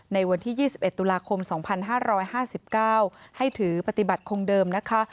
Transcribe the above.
ในวันที่๒๑ตุลาคม๒๕๕๙ให้ถือปฏิบัติคงเดิมนะคะ